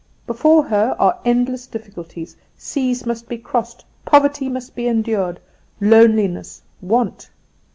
Before her are endless difficulties: seas must be crossed, poverty must be endured, loneliness, want.